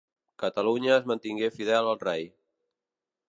Catalunya es mantingué fidel al rei.